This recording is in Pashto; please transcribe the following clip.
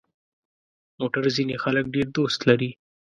موټر ځینې خلک ډېر دوست لري.